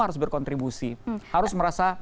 harus berkontribusi harus merasa